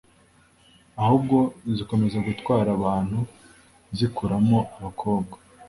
ahubwo zikomeza gutwara abantu, zikuramo abakobwa